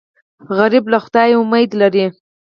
سوالګر له خدایه امید لري